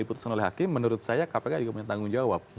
diputuskan oleh hakim menurut saya kpk juga punya tanggung jawab